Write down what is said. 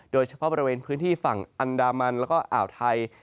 โดยเฉพาะบริเวณพื้นที่ฝั่งอันดามันแล้วก็อ่าวไทย